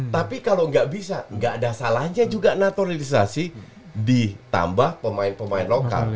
tapi kalau nggak bisa nggak ada salahnya juga naturalisasi ditambah pemain pemain lokal